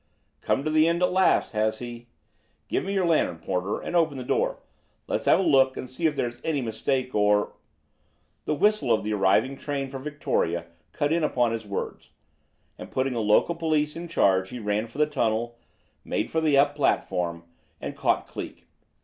"Come to the end at last, has he! Give me your lantern, porter, and open the door. Let's have a look and see if there's any mistake or " The whistle of the arriving train for Victoria cut in upon his words, and, putting the local police in charge he ran for the tunnel, made for the up platform, and caught Cleek.